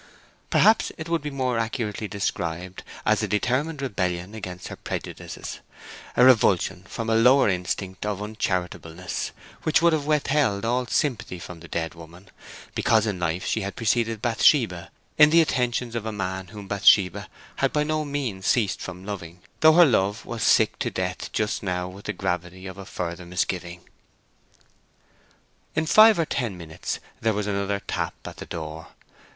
Perhaps it would be more accurately described as a determined rebellion against her prejudices, a revulsion from a lower instinct of uncharitableness, which would have withheld all sympathy from the dead woman, because in life she had preceded Bathsheba in the attentions of a man whom Bathsheba had by no means ceased from loving, though her love was sick to death just now with the gravity of a further misgiving. In five or ten minutes there was another tap at the door.